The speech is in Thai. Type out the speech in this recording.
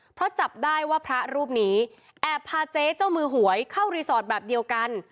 เพราะจับได้ว่าพระรูปนี้แอบพาเจ๊เจ้ามือหวยเข้ารีสอร์ทแบบเดียวกัน